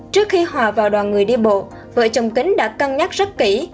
trước khi hòa vào đoàn người đi bộ vợ chồng kính đã cân nhắc rất kỹ